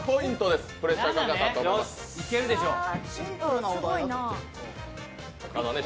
いけるでしょう。